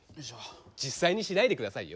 実際にしないで下さいよ。